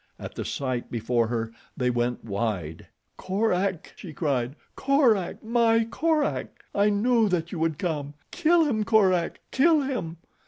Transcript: At the sight before her they went wide. "Korak!" she cried. "Korak! My Korak! I knew that you would come. Kill him, Korak! Kill him!"